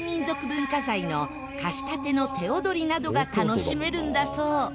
文化財の樫立の手踊などが楽しめるんだそう。